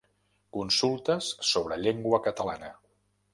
Consultes sobre llengua catalana.